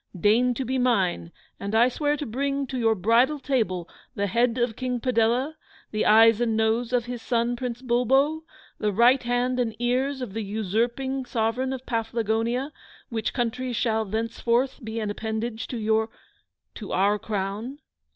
Deign to be mine, and I swear to bring to your bridal table the head of King Padella, the eyes and nose of his son Prince Bulbo, the right hand and ears of the usurping Sovereign of Paflagonia, which country shall thenceforth be an appanage to your to OUR Crown!